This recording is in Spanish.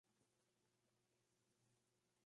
Su madre es desconocida.